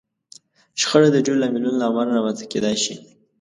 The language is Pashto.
شخړه د ډېرو لاملونو له امله رامنځته کېدای شي.